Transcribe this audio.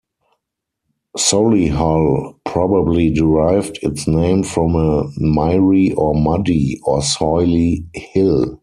Solihull probably derived its name from a 'miry or muddy' or soily hill.